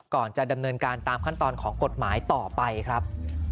ก่อนจะดำเนินการตามขั้นตอนของกฎหมายต่อไปครับ